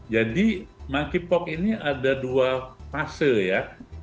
jadi monkeypox ini ada dua fase ya